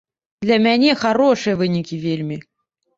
Для мяне харошыя вынікі вельмі.